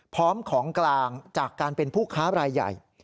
พร้อมของกลางจากการเป็นผู้ค้ารายใหญ่